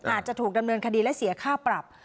อาจจะถูกดำเนินคดีและเสียค่าปรับ